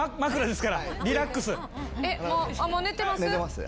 もう寝てます？